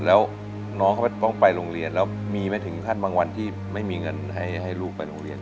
แล้วน้องเขาต้องไปโรงเรียนแล้วมีไหมถึงขั้นบางวันที่ไม่มีเงินให้ลูกไปโรงเรียน